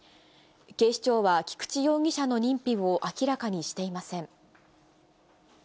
警視庁は菊地容疑者の認否を明らかにしていません。